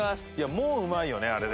もううまいよねあれで。